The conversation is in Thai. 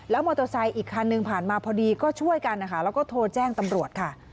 มอเตอร์ไซค์อีกคันหนึ่งผ่านมาพอดีก็ช่วยกันนะคะแล้วก็โทรแจ้งตำรวจค่ะ